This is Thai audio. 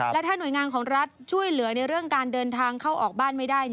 และถ้าหน่วยงานของรัฐช่วยเหลือในเรื่องการเดินทางเข้าออกบ้านไม่ได้